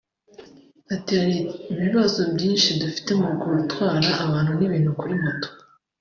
Ati “hari ibibazo byinshi dufite mu gutwara abantu n’ibintu kuri moto